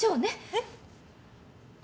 えっ！